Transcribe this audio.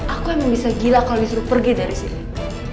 aku emang bisa gila kalau disuruh pergi dari sini